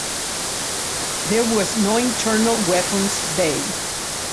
There was no internal weapons bay.